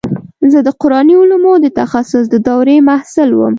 زه د قراني علومو د تخصص د دورې محصل وم.